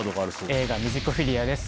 映画『ミュジコフィリア』です。